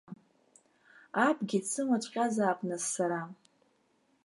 Абгьы дсымаҵәҟьазаап нас сара.